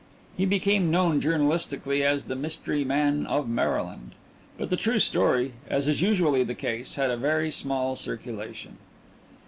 He became known, journalistically, as the Mystery Man of Maryland. But the true story, as is usually the case, had a very small circulation.